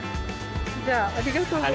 じゃあありがとうございます。